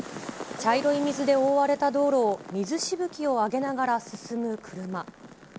茶色い水で覆われた道路を水しぶきを上げながら進む車。